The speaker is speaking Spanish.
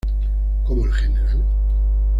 Como el Gral.